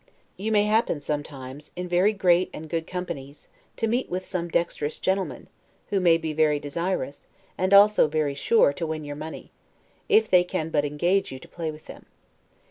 You may happen sometimes, in very great and good companies, to meet with some dexterous gentlemen, who may be very desirous, and also very sure, to win your money, if they can but engage you to play with them.